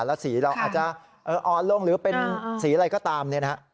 แล้วสีเราอาจจะออนร่วงหรือเป็นสีอะไรก็ตาม